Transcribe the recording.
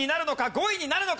５位になるのか？